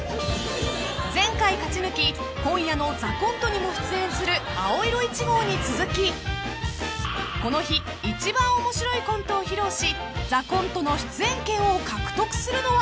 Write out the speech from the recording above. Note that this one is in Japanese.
［前回勝ち抜き今夜の『ＴＨＥＣＯＮＴＥ』にも出演する青色１号に続きこの日一番面白いコントを披露し『ＴＨＥＣＯＮＴＥ』の出演権を獲得するのは？］